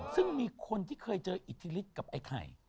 ซึ่งมีคนที่เคยเจออิทธิฤทธิกับไอ้ไข่